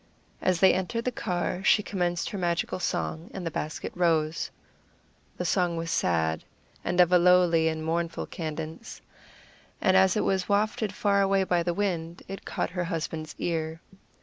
As they entered the car she commenced her magical song, and the basket rose. The song was sad, and of a lowly and mournful cadence, and as it was wafted far away by the wind, it caught her husband's ear.